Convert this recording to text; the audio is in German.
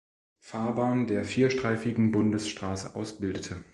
Fahrbahn der vierstreifigen Bundesstraße ausbildete.